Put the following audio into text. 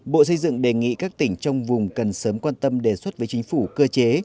bộ xây dựng đề nghị các tỉnh trong vùng cần sớm quan tâm đề xuất với chính phủ cơ chế